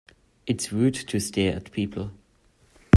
It's rude to stare at people.